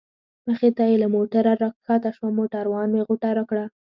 مخې ته یې له موټره را کښته شوم، موټروان مې غوټه راکړه.